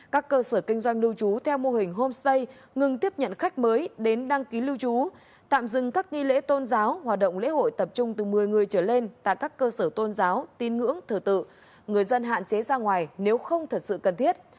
các cơ sở kinh doanh lưu trú theo mô hình homestay ngừng tiếp nhận khách mới đến đăng ký lưu trú tạm dừng các nghi lễ tôn giáo hoạt động lễ hội tập trung từ một mươi người trở lên tại các cơ sở tôn giáo tin ngưỡng thờ tự người dân hạn chế ra ngoài nếu không thật sự cần thiết